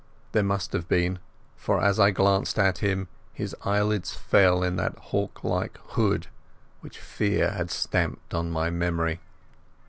There must have been, for as I glanced at him, his eyelids fell in that hawk like hood which fear had stamped on my memory.